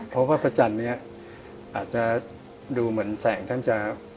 เพราะว่าพระจันทร์นี้อาจจะดูเหมือนแสงท่านจะ